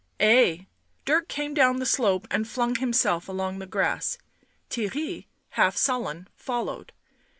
" Ay." Dirk came down the slope and flung himself along the grass ; Theirry, half sullen, followed.